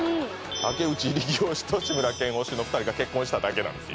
竹内力推しと志村けん推しの２人が結婚しただけなんです